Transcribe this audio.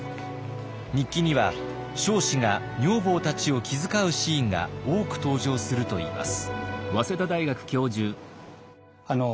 日記には彰子が女房たちを気遣うシーンが多く登場するといいます。